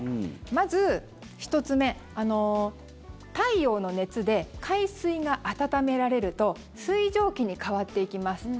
まず、１つ目太陽の熱で海水が温められると水蒸気に変わっていきます。